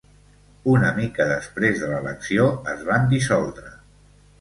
Una mica després de l'elecció es van dissoldre.